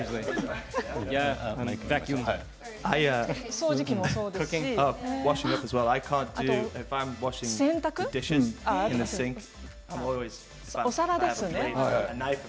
掃除機もそうですしあと洗濯、お皿ですね。